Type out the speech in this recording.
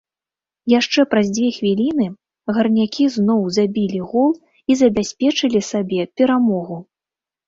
Яшчэ праз дзве хвіліны гарнякі зноў забілі гол і забяспечылі сабе перамогу.